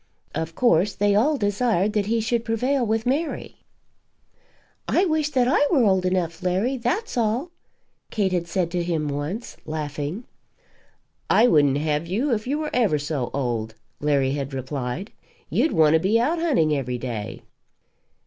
Of course they all desired that he should prevail with Mary. "I wish that I were old enough, Larry, that's all!" Kate had said to him once, laughing. "I wouldn't have you, if you were ever so old," Larry had replied; "you'd want to be out hunting every day."